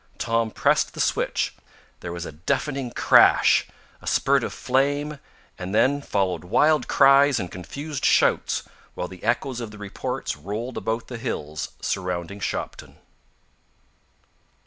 Tom pressed the switch; there was a deafening crash, a spurt of flame, and then followed wild cries and confused shouts, while the echoes of the reports rolled about the hills surrounding Shopton.